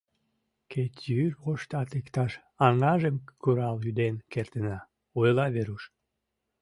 — Кеч йӱр воштат иктаж аҥажым курал-ӱден кертына, — ойла Веруш.